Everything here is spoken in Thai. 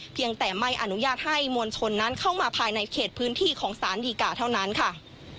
เพียงแต่ไม่อนุญาตให้มวลชนนั้นเข้ามาภายในเขตพื้นที่ของสารดีกาเท่านั้นค่ะ